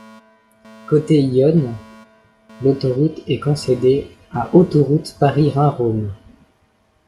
Côté Yonne, l’autoroute est concédée à Autoroutes Paris-Rhin-Rhône.